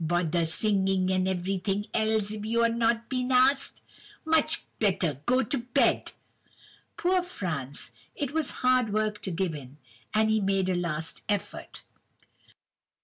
'Bother singing and everything else, if you've not been asked! Much better go to bed!' "Poor Franz! It was hard work to give in, and he made a last effort.